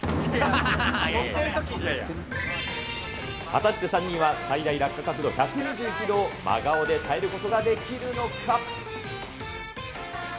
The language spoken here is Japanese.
果たして３人は、最大落下角度１２１度を真顔で耐えられることができるのか。